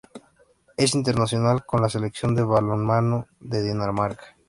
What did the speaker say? Es internacional con la Selección de balonmano de Dinamarca.